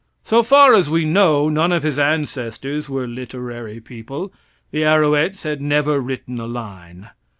So far as we know none of his ancestors were literary people. The Arouets had never written a line.